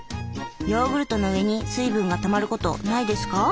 ヨーグルトの上に水分がたまることないですか？